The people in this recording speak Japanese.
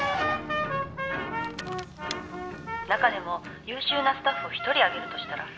「中でも優秀なスタッフを１人挙げるとしたら？」